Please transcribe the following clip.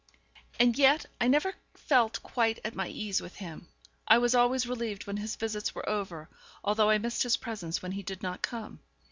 And yet I never felt quite at my ease with him. I was always relieved when his visits were over, although I missed his presence when he did not come.